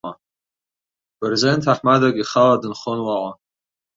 Бырзен ҭаҳмадак ихала дынхон уаҟа.